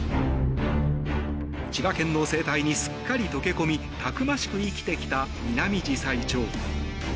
千葉県の生態にすっかり溶け込みたくましく生きてきたミナミジサイチョウ。